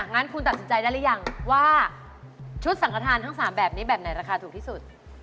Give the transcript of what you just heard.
งั้นคุณตัดสินใจได้หรือยังว่าชุดสังขทานทั้ง๓แบบนี้แบบไหนราคาถูกที่สุด